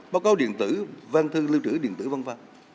báo cáo điện tử văn thư lưu trữ điện tử v v